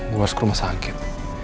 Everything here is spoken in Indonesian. gue harus ke rumah sakit